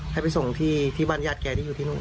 ให้ไปส่งที่บรรยาทแก่ที่อยู่ที่นู่น